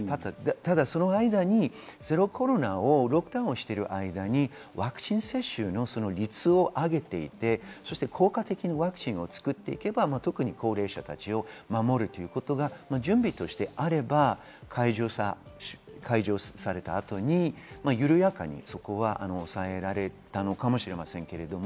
ただその間にロックダウンをしている間にワクチン接種の率を上げていって、効果的なワクチンを作っていけば特に高齢者たちを守るということが準備としてあれば解除された後に緩やかに抑えられたのかもしれませんけれども。